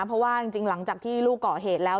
เพราะว่าจริงหลังจากที่ลูกเกาะเหตุแล้ว